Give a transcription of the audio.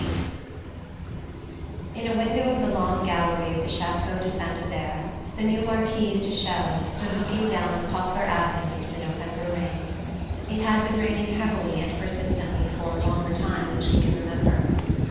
XXXVIII In a window of the long gallery of the chateau de Saint Desert the new Marquise de Chelles stood looking down the poplar avenue into the November rain. It had been raining heavily and persistently for a longer time than she could remember.